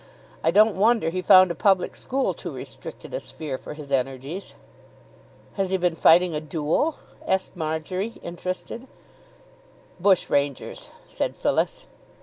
I don't wonder he found a public school too restricted a sphere for his energies." "Has he been fighting a duel?" asked Marjory, interested. "Bushrangers," said Phyllis.